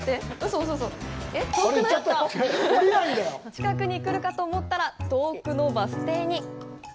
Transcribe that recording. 近くに来るかと思ったら遠くのバス停に。